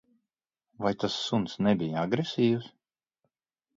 Vai tas suns nebija agresīvs?